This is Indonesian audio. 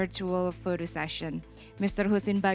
oke apakah anda siap pak